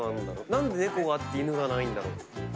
何で猫あって犬がないんだろ？